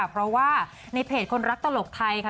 เพราะว่าในเพจคนรักตลกไทยค่ะ